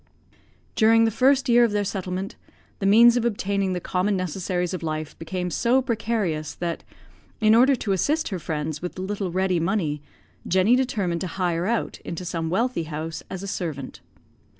During the first year of their settlement, the means of obtaining the common necessaries of life became so precarious, that, in order to assist her friends with a little ready money, Jenny determined to hire out into some wealthy house as a servant.